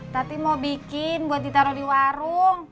tadi mau bikin buat ditaro di warung